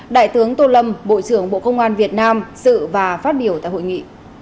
đại tướng tô lâm bộ trưởng bộ công an việt nam dự và phát biểu tại hội nghị